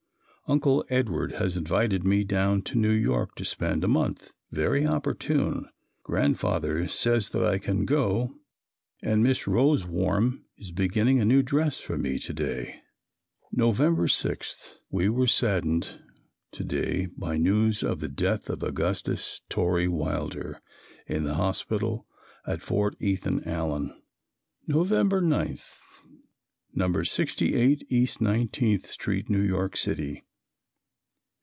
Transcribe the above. Uncle Edward has invited me down to New York to spend a month! Very opportune! Grandfather says that I can go and Miss Rosewarne is beginning a new dress for me to day. November 6. We were saddened to day by news of the death of Augustus Torrey Wilder in the hospital at Fort Ethan Allen. November 9. No. 68 E. 19th Street, New York City.